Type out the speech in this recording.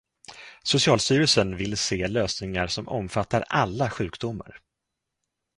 Socialstyrelsen vill se lösningar som omfattar alla sjukdomar.